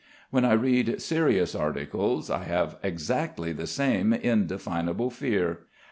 When I read serious articles, I have exactly the same indefinable fear.